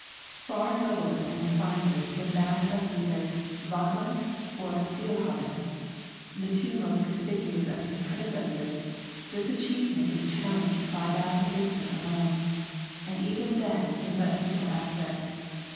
Far nobler and finer than that of either Wergeland or Welhaven, the two most conspicuous of his predecessors, this achievement is challenged by that of Ibsen alone, and even then in but a single aspect.